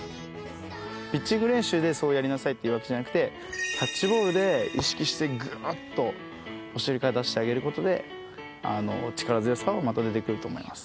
ピッチング練習でそうやりなさいっていうわけじゃなくてキャッチボールで意識してグッとお尻から出してあげることで力強さが出てくると思います。